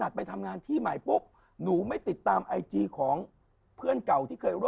เดี๋ยว